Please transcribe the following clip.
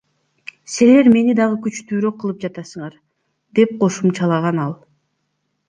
Силер мени дагы күчтүүрөөк кылып жатасыңар, — деп кошумчалаган ал.